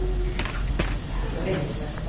さあどれにしますか？